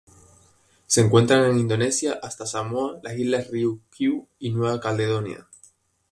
Se encuentran en Indonesia hasta Samoa las Islas Ryukyu y Nueva Caledonia.